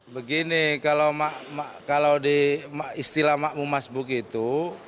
begini kalau di istilah makmumas begitu